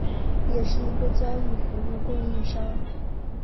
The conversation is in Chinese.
也是一个交易服务供应商。